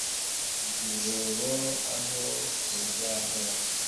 Mu rwobo aho tuzabora